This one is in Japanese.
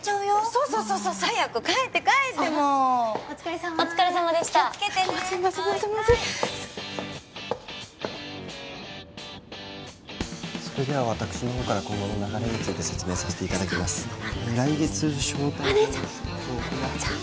そうそうそうそうそう早く帰って帰ってもうお疲れさまお疲れさまでした気をつけてねまずいまずいまずいまずいそれでは私のほうから今後の流れについて説明させていただきますマネージャーマネージャー何？